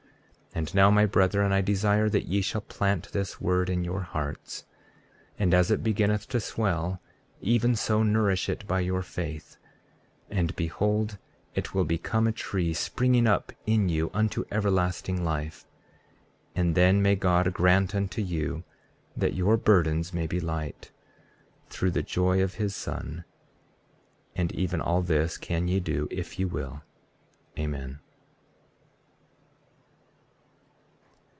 33:23 And now, my brethren, I desire that ye shall plant this word in your hearts, and as it beginneth to swell even so nourish it by your faith. And behold, it will become a tree, springing up in you unto everlasting life. And then may God grant unto you that your burdens may be light, through the joy of his Son. And even all this can ye do if ye will. Amen.